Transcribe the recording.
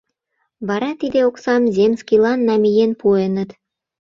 Вара тиде оксам земскийлан намиен пуэныт.